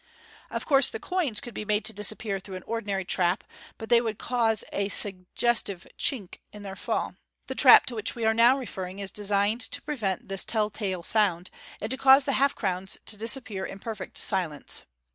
Of course the coins could be marie to disappear through an ordinary trap, but they would cause a sug gestive "chink" in their fall. The trap to which we are now re f err in or {see Figs. 275 and 276) is designed to prevent this tell tale sound, and to cause the half crowns to disappear in perfect silence.